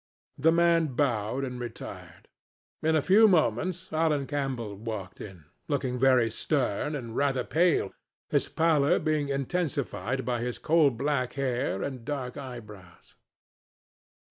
The man bowed and retired. In a few moments, Alan Campbell walked in, looking very stern and rather pale, his pallor being intensified by his coal black hair and dark eyebrows.